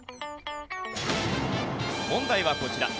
問題はこちら。